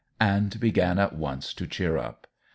and began at once to cheer up.